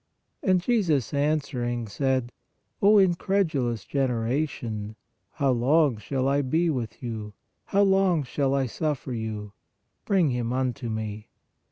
And Jesus, answering, said: O incredulous generation, how long shall I be with you? how long shall I suffer you ? Bring him unto Me.